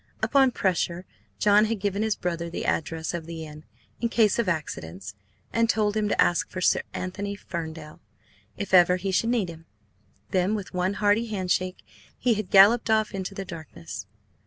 Upon pressure John had given his brother the address of the inn, "in case of accidents," and told him to ask for "Sir Anthony Ferndale" if ever he should need him. Then with one hearty handshake, he had galloped off into the darkness.